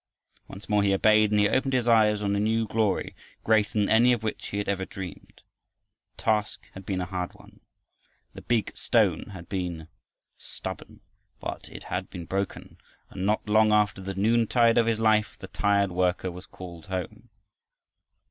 Once more he obeyed, and he opened his eyes on a new glory greater than any of which he had ever dreamed. The task had been a hard one. The "big stone" had been stubborn, but it had been broken, and not long after the noontide of his life the tired worker was called home.